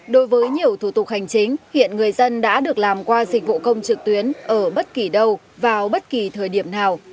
đối với nhiều thủ tục hành chính hiện người dân đã được làm qua dịch vụ công trực tuyến ở bất kỳ đâu vào bất kỳ thời điểm nào